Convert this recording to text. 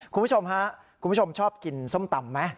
คุณผู้ชมชอบกินส้มตำไหม